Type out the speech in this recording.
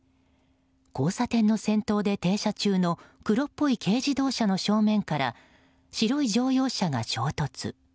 交差点の先頭で停車中の黒っぽい軽自動車の正面から白い乗用車が衝突。